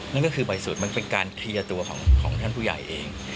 นั่นก็คือบ่อยสุดมันเป็นการเคลียร์ตัวของท่านผู้ใหญ่เอง